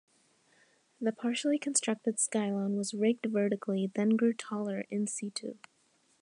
The partially constructed Skylon was rigged vertically, then grew taller in situ.